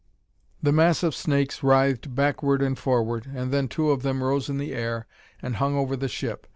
"The mass of snakes writhed backward and forward, and then two of them rose in the air and hung over the ship.